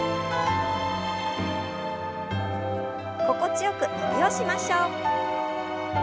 心地よく伸びをしましょう。